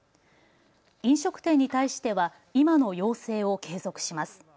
飲食店に対しては今の要請を継続します。